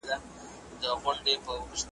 او ښکنځلو څخه ډکه وه .